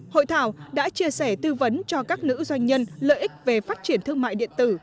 hội thảo đã chia sẻ tư vấn cho các nữ doanh nhân lợi ích về phát triển thương mại điện tử